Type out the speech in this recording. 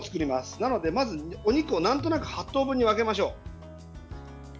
なのでまず、お肉をなんとなく８等分に分けましょう。